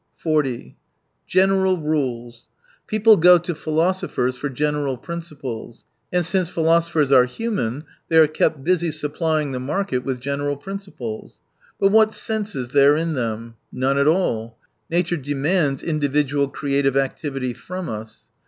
218 40 General rules. — People go to philosophers for general principles. And since philo sophers are human, they are kept busy supplying the market with general principles. But what sense is there in them ? None at all. Nature demands individual creative activity from u&.